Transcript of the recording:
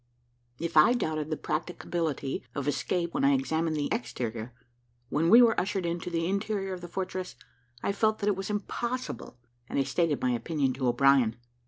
If I doubted the practicability of escape when I examined the exterior, when we were ushered into the interior of the fortress, I felt that it was impossible, and I stated my opinion to O'Brien.